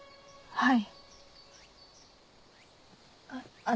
はい。